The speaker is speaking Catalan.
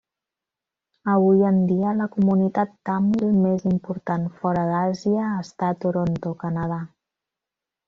Avui en dia, la comunitat tàmil més important fora d'Àsia està a Toronto, Canadà.